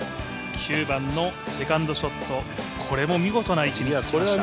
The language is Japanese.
９番のセカンドショット、これも見事な位置につけました。